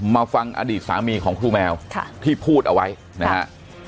มาฟังอดีตสามีของครูแมวที่พูดเอาไว้นะฮะ